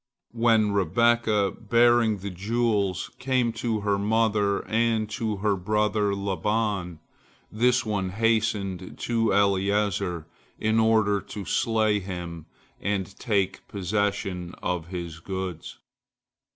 When Rebekah, bearing the jewels, came to her mother and to her brother Laban, this one hastened to Eliezer in order to slay him and take possession of his goods.